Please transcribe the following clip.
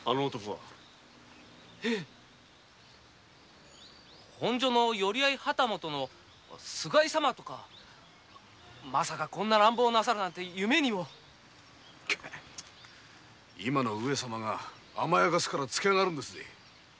はい本所の寄合旗本の菅井様とか。まさかこんな乱暴をなさるとは夢にも。今の上様が甘やかせるからつけあがるんですぜ新さん。